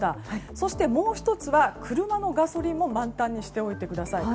そして、もう１つは車のガソリンも満タンにしておいてください。